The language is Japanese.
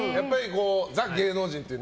ザ芸能人っていう。